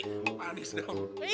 tau gak panis dong